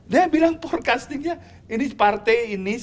dia bilang forecastingnya ini partai ini satu dua tiga empat